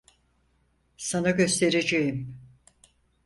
Sana göstereceğim.